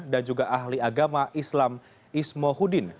dan juga ahli agama islam ismohuddin